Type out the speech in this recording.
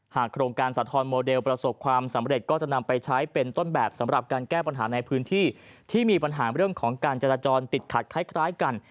โครงการสาธรณ์โมเดลประสบความสำเร็จก็จะนำไปใช้เป็นต้นแบบสำหรับการแก้ปัญหาในพื้นที่ที่มีปัญหาเรื่องของการจราจรติดขัดคล้ายกัน